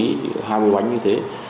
hai mươi bánh heroin là hai mươi bánh heroin